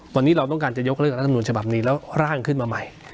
วันนี้เราต้องการจะยกเลิกรัฐมนุนฉบับนี้แล้วร่างขึ้นมาใหม่